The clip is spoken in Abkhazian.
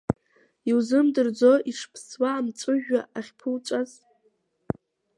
Иузымдырӡои ишԥсуа амҵәыжәҩа ахьԥуҵәаз?